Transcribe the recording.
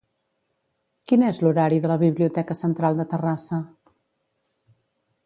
Quin és l'horari de la Biblioteca Central de Terrassa?